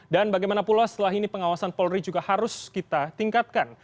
dan bagaimana pula setelah ini pengawasan polri juga harus kita tingkatkan